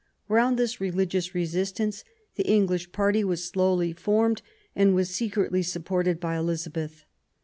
Round this religious resistance the English party was slowly formed again, and was secretly supported by Eliza beth.